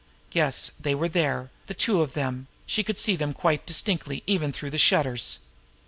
Yes, they were there, the two of them she could see them quite distinctly even through the shutters.